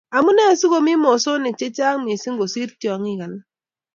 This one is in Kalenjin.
Amunee si komii mosonik che chang mising kosiir tiongik alak?